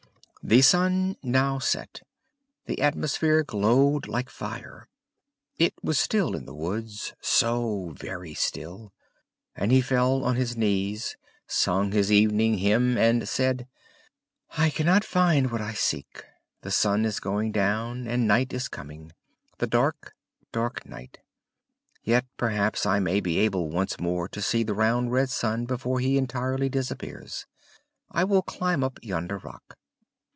The sun now set: the atmosphere glowed like fire. It was still in the woods, so very still; and he fell on his knees, sung his evening hymn, and said: "I cannot find what I seek; the sun is going down, and night is coming the dark, dark night. Yet perhaps I may be able once more to see the round red sun before he entirely disappears. I will climb up yonder rock."